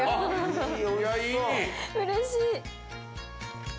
うれしい！